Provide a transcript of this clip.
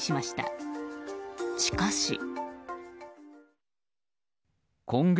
しかし。